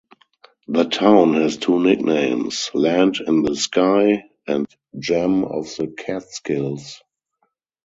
The town has two nicknames: "Land in the Sky" and "Gem of the Catskills".